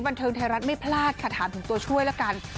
บันเทิงไทยรัฐไม่พลาดค่ะถามถึงตัวช่วยละกัน